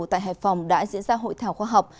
tại hải phòng đã diễn ra hội thảo khoa học